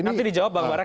nanti dijawab bang barat